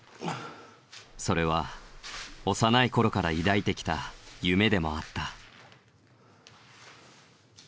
それは幼い頃から抱いてきた夢でもあった。